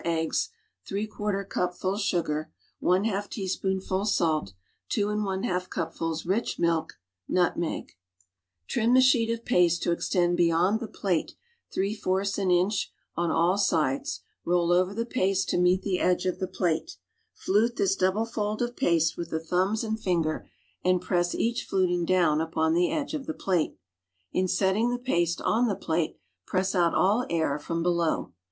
(See Question No. 4) r =«■> CUSTARD PIE plaia pastry ; 2 teaspoonful salt 4 eggs it} 2 cupfuls rich milk }i cupful sugar nutmeg Trim the sheet of paste to extend beyond the plate three fourths an inch on all sides, roll over the paste to meet the edge of the plate. Flute this double fold of paste with the thumb and Gngcr and press each fluting down upou the edge of the plate. In setting the paste on the plate, press out all air from be low.